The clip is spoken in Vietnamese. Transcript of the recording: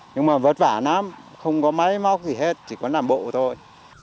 nhưng mà vất vả lắm không có máy móc gì hết chỉ có nằm bộ thôi